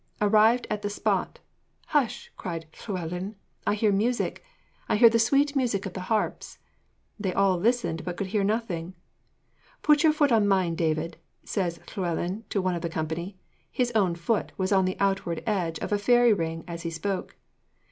Arrived at the spot, 'Hush,' cried Llewellyn, 'I hear music! I hear the sweet music of the harps!' They all listened, but could hear nothing. 'Put your foot on mine, David,' says Llewellyn to one of the company; his own foot was on the outward edge of a fairy ring as he spoke.